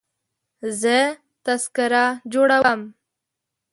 زه تذکره جوړوم.